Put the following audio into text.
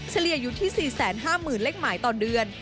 เฉลี่ยอยู่ที่๔๕๐๐๐เลขหมายต่อเดือน